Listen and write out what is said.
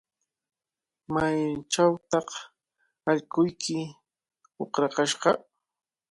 ¿Maychawtaq allquyki uqrakashqa?